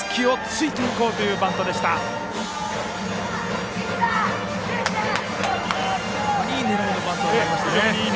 いい狙いのバントになりましたね。